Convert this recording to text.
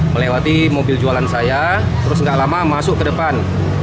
melewati mobil jualan saya terus nggak lama masuk ke depan